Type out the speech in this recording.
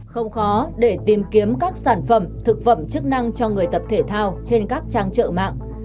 không khó để tìm kiếm các sản phẩm thực phẩm chức năng cho người tập thể thao trên các trang trợ mạng